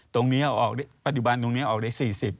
ตรงนี้ปฏิบันตรงนี้ออกได้๔๐